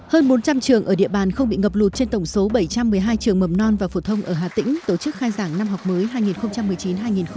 hơn bốn trăm linh trường ở địa bàn không bị ngập lụt trên tổng số bảy trăm một mươi hai trường mầm non và phổ thông ở hà tĩnh tổ chức khai giảng năm học mới hai nghìn một mươi chín hai nghìn hai mươi